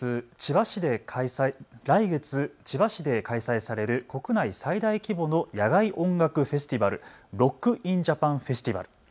来月、千葉市で開催される国内最大規模の野外音楽フェスティバル、ロック・イン・ジャパン・フェスティバル。